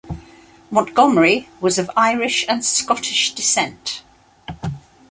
Montgomery was of Irish and Scottish descent.